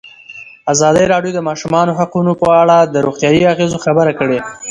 ازادي راډیو د د ماشومانو حقونه په اړه د روغتیایي اغېزو خبره کړې.